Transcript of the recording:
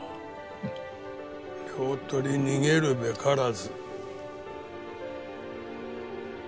両取り逃げるべからず。